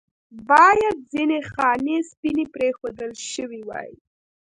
باید ځنې خانې سپینې پرېښودل شوې واې.